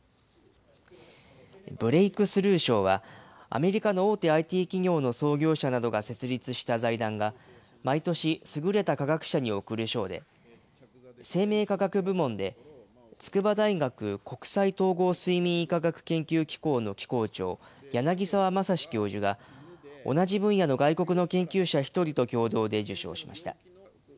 ブレイクスルー賞は、アメリカの大手ＩＴ企業の創業者などが設立した財団が毎年、優れた科学者に贈る賞で、生命科学部門で、筑波大学国際統合睡眠医科学研究機構の機構長、柳沢正史教授が、同じ分野の外国の研究者１人と共同で受賞しました。